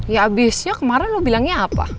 ya abisnya kemarin lo bilangnya apa